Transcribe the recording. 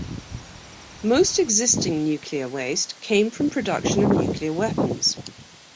Most existing nuclear waste came from production of nuclear weapons.